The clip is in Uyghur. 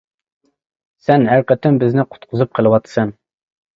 سەن ھەر قېتىم بىزنى قۇتقۇزۇپ قېلىۋاتىسەن.